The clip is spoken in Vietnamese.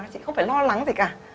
chị không phải lo lắng gì cả